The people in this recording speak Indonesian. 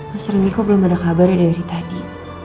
mas rumi kok belum ada kabar ya dari tadi